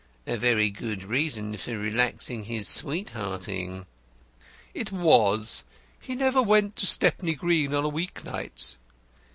"A very good reason for relaxing his sweethearting." "It was. He never went to Stepney Green on a week night."